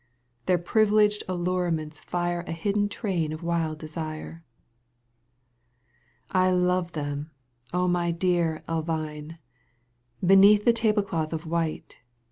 Their privileged allurements fire A hidden train of wild desire. I love them, my dear Elvine,^* Beneath the table cloth of white.